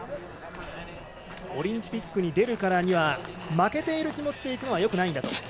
オリンピックに出るからには負けている気持ちで行くのはよくないんだと。